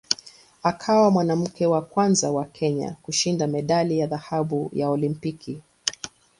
Akawa mwanamke wa kwanza wa Kenya kushinda medali ya dhahabu ya Olimpiki.